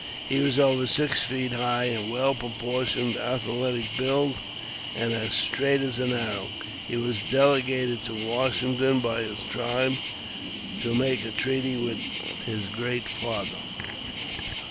He was over six feet high and well pro portioned, athletic build, and as straight as an arrow. He was delegated to Washington by his tribe to make a treaty with his Great Father.